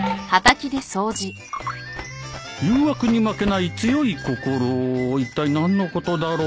誘惑に負けない強い心いったい何のことだろう？